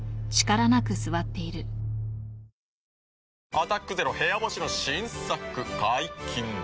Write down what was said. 「アタックＺＥＲＯ部屋干し」の新作解禁です。